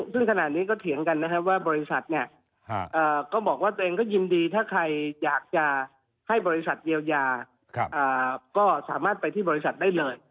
ซึ่งขณะนี้ก็เถียงกันนะครับว่าบริษัทก็บอกว่าตัวเองก็ยินดีถ้าใครอยากจะให้บริษัทเยียวยาก็สามารถไปที่บริษัทได้เลย